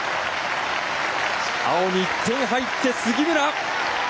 青に１点入って杉村。